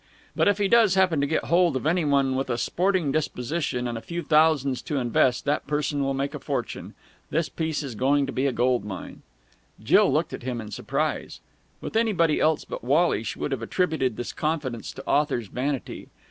But if he does happen to get hold of any one with a sporting disposition and a few thousands to invest, that person will make a fortune. This piece is going to be a gold mine." Jill looked at him in surprise. With anybody else but Wally she would have attributed this confidence to author's vanity.